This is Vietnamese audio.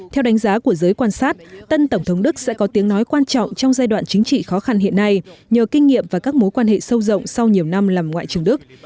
theo đánh giá của giới quan sát tân tổng thống đức sẽ có tiếng nói quan trọng trong giai đoạn chính trị khó khăn hiện nay nhờ kinh nghiệm và các mối quan hệ sâu rộng sau nhiều năm làm ngoại trưởng đức